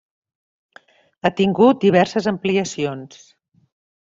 Ha tingut diverses ampliacions: